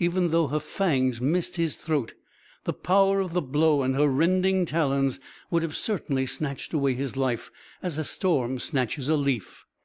Even though her fangs missed his throat, the power of the blow and her rending talons would have certainly snatched away his life as a storm snatches a leaf.